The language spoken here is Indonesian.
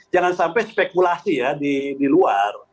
jangan sampai spekulasi ya di luar